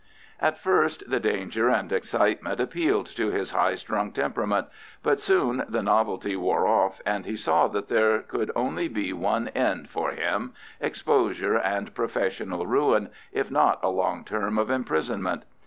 At first the danger and excitement appealed to his high strung temperament, but soon the novelty wore off, and he saw that there could only be one end for him—exposure and professional ruin, if not a long term of imprisonment.